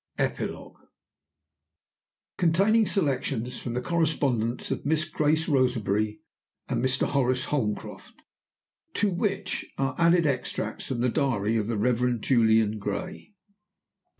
EPILOGUE: CONTAINING SELECTIONS FROM THE CORRESPONDENCE OF MISS GRACE ROSEBERRY AND MR. HORACE HOLMCROFT; TO WHICH ARE ADDED EXTRACTS FROM THE DIARY OF THE REVEREND JULIAN GRAY.